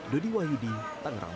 dodi wahidi tangerang